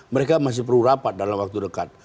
mereka masih perlu rapat dalam waktu dekat